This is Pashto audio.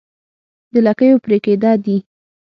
د لکيو پرې کېده دي